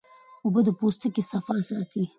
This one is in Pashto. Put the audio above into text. اوبه د پوستکي صفا ساتي